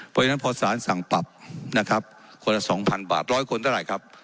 เพราะฉะนั้นพอศาลสั่งปรับนะครับคนละสองพันบาทร้อยคนได้ไหมครับ